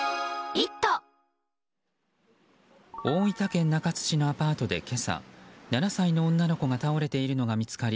大分県中津市のアパートで今朝７歳の女の子が倒れているのが見つかり